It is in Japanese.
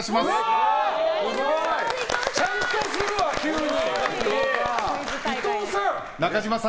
ちゃんとするわ、急に！